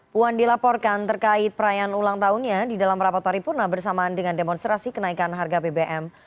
puan dilaporkan terkait perayaan ulang tahunnya di dalam rapat paripurna bersamaan dengan demonstrasi kenaikan harga bbm